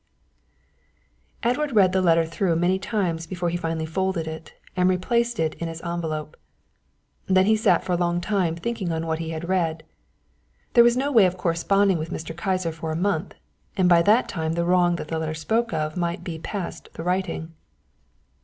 _" Edward read the letter through many times before he finally folded it and replaced it in its envelope. Then he sat for a long time thinking on what he had read. There was no way of corresponding with Mr. Kyser for a month, and by that time the wrong that the letter spoke of might be past the righting.